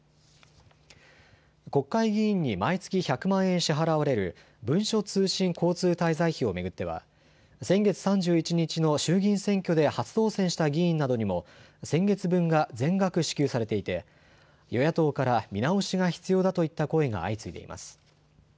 国会議員に毎月１００万円支払われる文書通信交通滞在費を巡っては先月３１日の衆議院選挙で初当選した議員などにも先月分が全額支給されていて与野党から見直しが必要だといった声が相次いでいます。